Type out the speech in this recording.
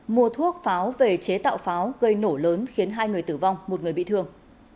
mua thuốc pháo về chế tạo pháo gây nổ lớn khiến hai người tử vong một người bị thương